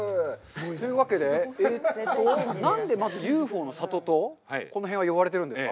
というわけで、えっと、何でまずＵＦＯの里とこの辺は呼ばれているんですか。